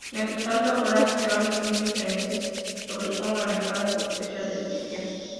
Mientras tanto, Weaver y Pope tienen diferencias sobre cómo manejar la sospecha del espía.